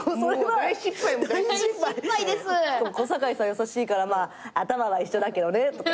優しいから「頭は一緒だけどね」とか。